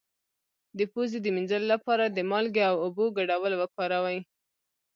د پوزې د مینځلو لپاره د مالګې او اوبو ګډول وکاروئ